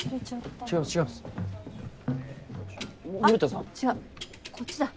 あ違うこっちだ！